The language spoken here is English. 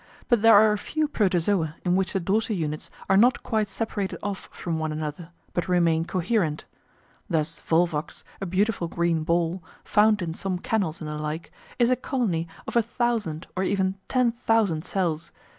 But there are a few Protozoa in which the daughter units are not quite separated off from one another, but remain coherent. Thus Volvox, a beautiful green ball, found in some canals and the like, is a colony of a thousand or even ten thousand cells.